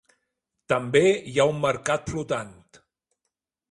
També hi ha un mercat flotant.